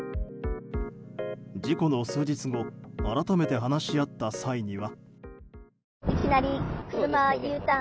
事故の数日後改めて話し合った際には。